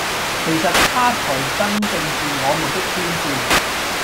其實他才真正是我們的天使。